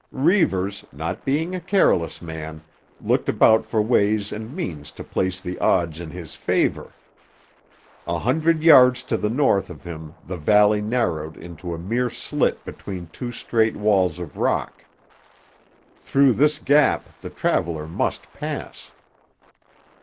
Reivers, not being a careless man, looked about for ways and means to place the odds in his favour. A hundred yards to the north of him the valley narrowed into a mere slit between two straight walls of rock. Through this gap the traveller must pass.